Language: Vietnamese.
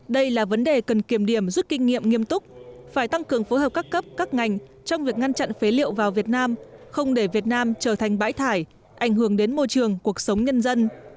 đây là vấn đề cần kiểm điểm rút kinh nghiệm nghiêm túc phải tăng cường phối hợp các cấp các ngành trong việc ngăn chặn phế liệu vào việt nam không để việt nam trở thành bãi thải ảnh hưởng đến môi trường cuộc sống nhân dân